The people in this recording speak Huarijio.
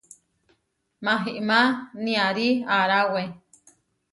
Mahimá niarí aráwe.